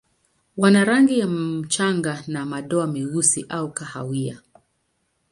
Wana rangi ya mchanga na madoa meusi au kahawia.